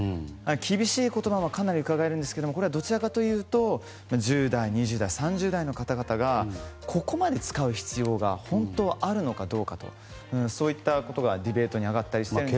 厳しい言葉もかなりうかがえるんですがどちらかというと１０代、２０代、３０代の方々がここまで使う必要が本当はあるのかどうかとそういったことがディベートに挙がったりしてます。